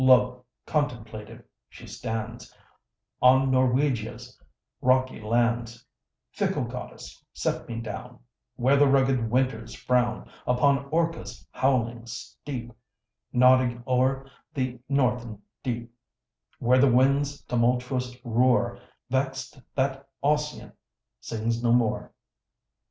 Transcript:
Lo! contemplative she stands On Norwegia's rocky lands Fickle Goddess, set me down Where the rugged winters frown Upon Orca's howling steep, Nodding o'er the northern deep, Where the winds tumultuous roar, Vext that Ossian sings no more.